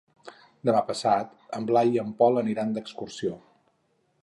Demà passat en Blai i en Pol aniran d'excursió.